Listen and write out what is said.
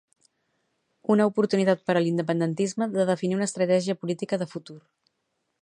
Una oportunitat per a l'independentisme de definir una estratègia política de futur.